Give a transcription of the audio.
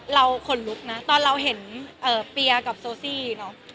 เราขนลุกนะตอนเราเห็นเปียกับโซซี่เนอะ